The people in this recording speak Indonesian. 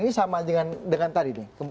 ini sama dengan tadi nih